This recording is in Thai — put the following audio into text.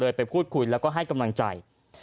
ไปพูดคุยแล้วก็ให้กำลังใจ